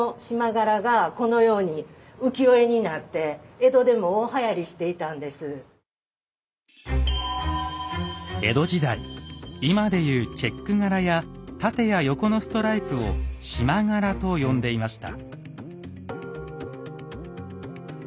江戸時代今で言うチェック柄や縦や横のストライプを「縞柄」と呼んでいました。